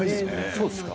そうですか。